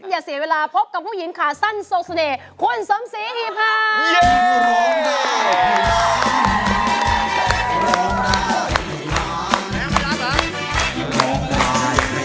อย่าเสียเวลาพบกับผู้หญิงขาสั้นโซซูเน่คุณสมศรีฮีพา